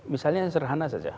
misalnya yang sederhana saja